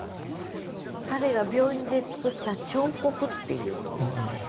彼が病院でつくった彫刻っていうのをね